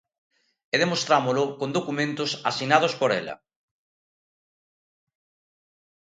E demostrámolo con documentos asinados por ela.